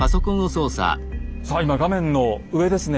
さあ今画面の上ですね